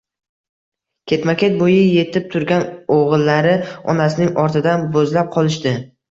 Ketma-ket bo`yi etib turgan o`g`illari onasining ortidan bo`zlab qolishdi